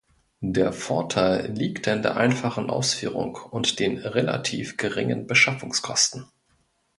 Der Vorteil liegt in der einfachen Ausführung und den relativ geringen Beschaffungskosten.